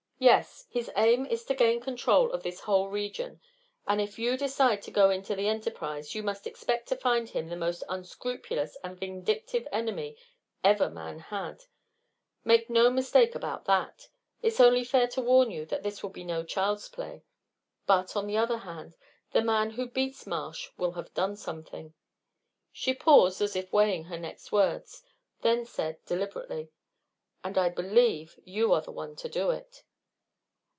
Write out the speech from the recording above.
"Yes. His aim is to gain control of this whole region, and if you decide to go into the enterprise you must expect to find him the most unscrupulous and vindictive enemy ever man had; make no mistake about that. It's only fair to warn you that this will be no child's play; but, on the other hand, the man who beats Marsh will have done something." She paused as if weighing her next words, then said, deliberately: "And I believe you are the one to do it."